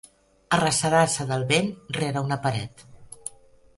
Arrecerar-se del vent rere una paret.